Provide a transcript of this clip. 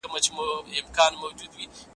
جنګ له جانانه سره ګران دی په مورچل کې اوسي